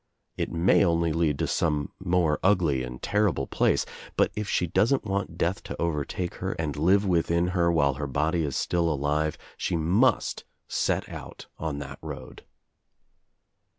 It may only lead to some more ugly and terrible place, but If she doesn't want death to overtake her and live within her while her body Is still alive she must set out on that road."